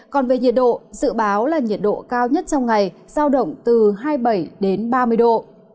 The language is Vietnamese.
còn về nhiệt độ dự báo là nhiệt độ cao nhất trong ngày giao động từ hai mươi bảy đến ba mươi độ